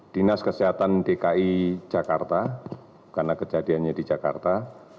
dinas kesehatan dki jakarta karena kejadiannya di jakarta